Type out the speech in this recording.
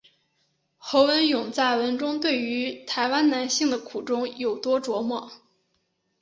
侯文咏在文中对于台湾男性的苦衷有多琢磨。